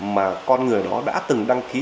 mà con người đó đã từng đăng ký